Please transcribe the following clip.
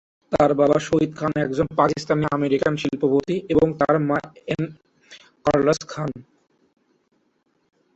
তার বাবা শহিদ খান একজন পাকিস্তানি-আমেরিকান শিল্পপতি এবং তার মা এন কার্লোস খান।